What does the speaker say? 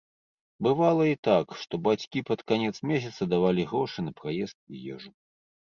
Бывала і так, што бацькі пад канец месяца давалі грошы на праезд і ежу.